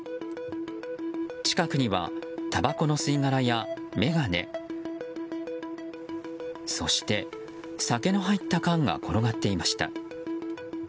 近くには、たばこの吸い殻や眼鏡そして、酒の入った缶が転がっていました。